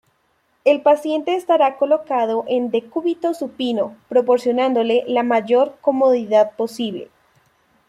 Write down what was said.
El paciente estará colocado en decúbito supino, proporcionándole la mayor comodidad posible.